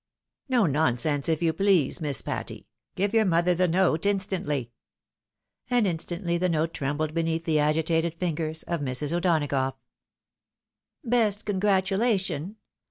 "No nonsense, if you please, Miss Patty! Give your mother the note inst.vntlt." And instantly the note trembled beneath the agitated fingers of Mrs. O'Donagough. "— Best congratulation!